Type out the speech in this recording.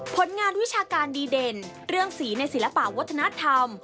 ผลงานวิชาการดีเด่นเรื่องสีในศิลปะวัฒนธรรม